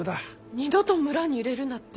二度と村に入れるなって。